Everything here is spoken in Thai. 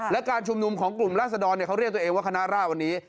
และการชุมนุมของกลุ่มราศดรเขาเรียกตัวเองว่าคณะร่าวันนี้